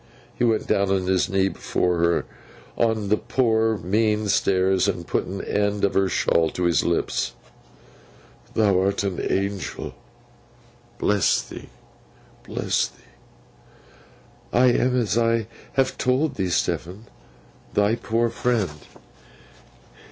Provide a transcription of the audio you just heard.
he went down on his knee before her, on the poor mean stairs, and put an end of her shawl to his lips. 'Thou art an Angel. Bless thee, bless thee!' 'I am, as I have told thee, Stephen, thy poor friend.